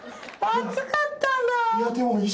熱かったんだ。